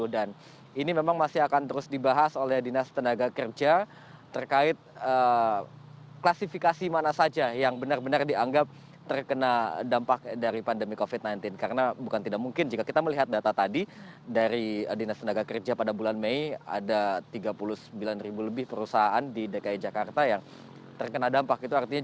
dan ini memang masih akan terus dibahas oleh dinas tenaga kerja terkait klasifikasi mana saja yang benar benar dianggap terkena dampak ini